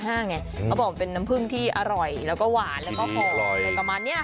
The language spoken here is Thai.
เขาบอกว่าเป็นน้ำพึ่งที่อร่อยแล้วก็หวานแล้วก็ผอม